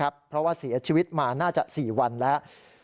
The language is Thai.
เพราะว่าเสียชีวิตมาน่าจะ๔วันแล้ว